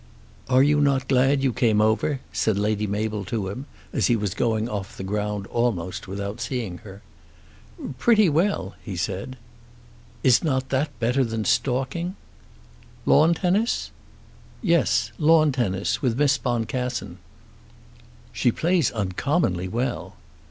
"Are you not glad you came over?" said Lady Mabel to him as he was going off the ground almost without seeing her. "Pretty well," he said. "Is not that better than stalking?" "Lawn tennis?" "Yes; lawn tennis, with Miss Boncassen." "She plays uncommonly well."